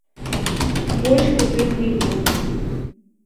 Вось куды мы ідзём.